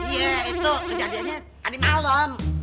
iya itu kejadiannya tadi malam